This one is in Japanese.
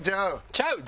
ちゃう